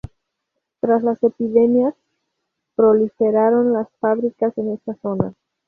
Tras las epidemias, proliferaron las fábricas en esta zona.